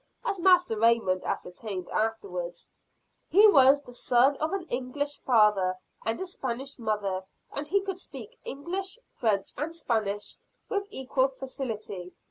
As Master Raymond ascertained afterwards, he was the son of an English father and a Spanish mother; and he could speak English, French and Spanish with equal facility.